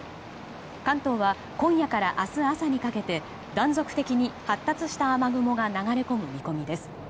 関東は今夜から明日朝にかけて断続的に発達した雨雲が流れ込む見込みです。